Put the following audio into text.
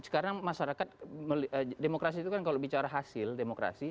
karena masyarakat demokrasi itu kan kalau bicara hasil demokrasi